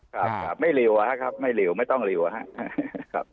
ครับไม่เร็วอะครับไม่เร็วไม่ต้องหลิวอะครับ